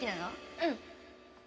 うん。